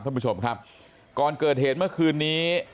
ท่านผู้ชมครับก่อนเกิดเหตุเมื่อคืนนี้